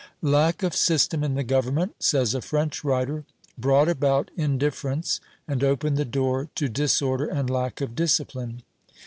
"Lack of system in the government," says a French writer, "brought about indifference, and opened the door to disorder and lack of discipline.